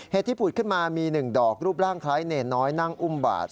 เหตุที่พูดขึ้นมามีหนึ่งดอกรูปร่างคล้ายเนรน้อยนั่งอุมบัตร